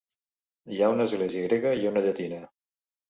Hi ha una església grega i una llatina.